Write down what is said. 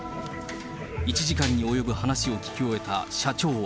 １時間に及ぶ話を聞き終えた社長は。